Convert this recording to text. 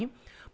mục đích là